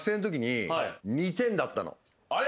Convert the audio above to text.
あれ？